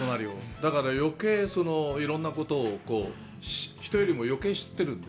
だから、余計にいろんなことを人よりも余計知ってるので。